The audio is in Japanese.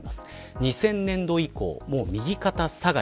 ２０００年度以降、右肩下がり。